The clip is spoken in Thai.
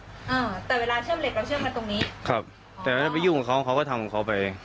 อ่าแต่เวลาเชื่อมเหล็กเราเชื่อมกันตรงนี้ครับแต่ถ้าไปยุ่งกับเขาเขาก็ทำของเขาไป